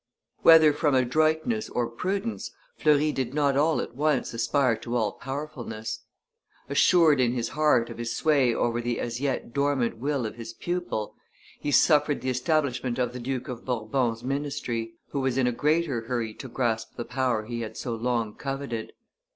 Whether from adroitness or prudence, Fleury did not all at once aspire to all powerfulness. Assured in his heart of his sway over the as yet dormant will of his pupil, he suffered the establishment of the Duke of Bourbon's ministry, who was in a greater hurry to grasp the power he had so long coveted.